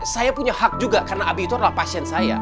saya punya hak juga karena abi itu adalah pasien saya